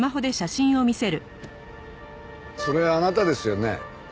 それあなたですよね？